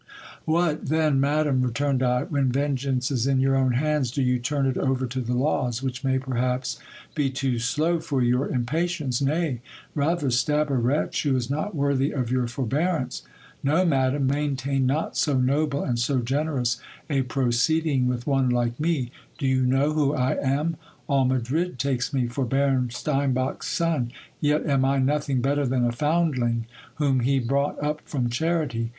What, then ! madam, returned I, when vengeance is in your own hands, do you turn it over to the laws, which may, perhaps, be too slow for your impa tience ? Nay ! rather stab a wretch who is not worthy of your forbearance. " No, madam, maintain not so noble and so generous a proceeding with one like me. Do you know who I am ? All Madrid takes me for Baron Steinbach's son — yet am I nothing better than a foundling, whom he brought up from charity.